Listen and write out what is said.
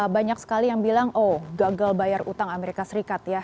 banyak sekali yang bilang oh gagal bayar utang amerika serikat ya